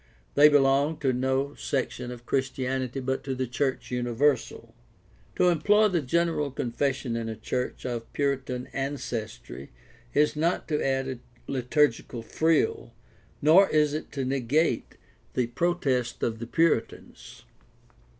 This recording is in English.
They belong to no section of Christianity but to the church universal. To employ the General Confession in a church of Puritan ancestry is not to add a liturgical frill, nor is it to negate the protest of the Puritans.